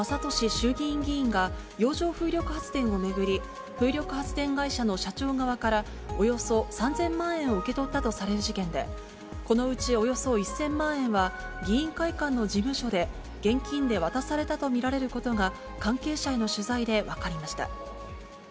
衆議院議員が洋上風力発電を巡り、風力発電会社の社長側から、およそ３０００万円を受け取ったとされる事件で、このうちおよそ１０００万円は、議員会館の事務所で現金で渡されたと見られることが、関係者への取材で分かりました。